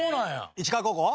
市川高校？